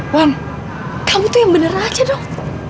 wan kamu tuh yang bener aja dong